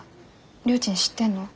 りょーちん知ってんの？